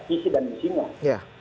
isi dan misinya